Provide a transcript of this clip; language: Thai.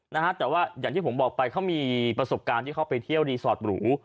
นะฮะแต่ว่าอย่างที่ผมบอกไปเขามีประสบการณ์ที่เขาไปเที่ยวรีสอร์ทหรู